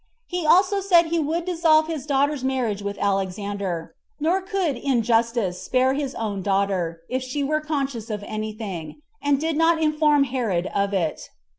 He also said he would dissolve his daughter's marriage with Alexander, nor could in justice spare his own daughter, if she were conscious of any thing, and did not inform Herod of it.